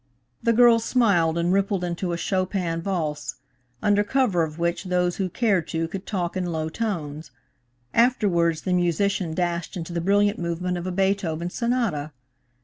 The girl smiled and rippled into a Chopin Valse, under cover of which those who cared to could talk in low tones. Afterwards the musician dashed into the brilliant movement of a Beethoven Sonata.